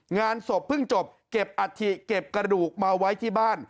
งานศพเพิ่งจบเก็บอัฐิเก็บกระดูกมาไว้ที่บ้าน